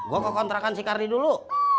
gue ke kontrakan si kardi dulu